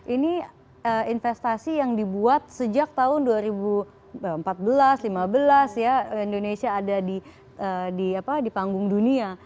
ini investasi yang dibuat sejak tahun dua ribu empat belas dua ribu lima belas ya indonesia ada di panggung dunia